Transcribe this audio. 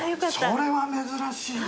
それは珍しいな。